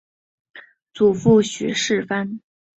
祖父许士蕃。